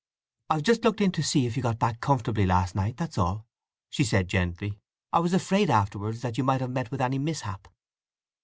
"I've just looked in to see if you got back comfortably last night, that's all," she said gently. "I was afraid afterwards that you might have met with any mishap?"